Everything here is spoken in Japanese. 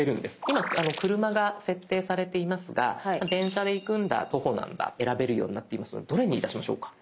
今車が設定されていますが電車で行くんだ徒歩なんだ選べるようになっていますのでどれにいたしましょうか？